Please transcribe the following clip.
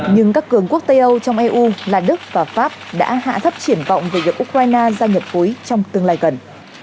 nhưng các cường quốc tây âu trong eu là đức và pháp đã hạ thấp triển vọng về việc ukraine gia nhập khối trong tương lai gần